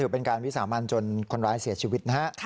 โปรดติดตามตอนต่อไป